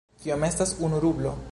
Kiom estas unu rublo?